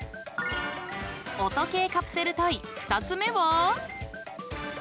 ［音系カプセルトイ２つ目は］